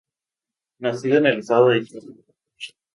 Nacida en el estado de Georgia.